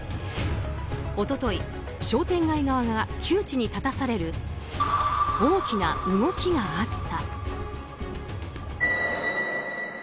一昨日、商店街側が窮地に立たされる大きな動きがあった。